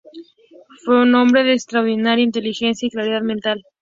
Fue un hombre de extraordinaria inteligencia y claridad mental.